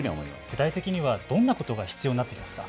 具体的にはどんなことが必要になってきますか。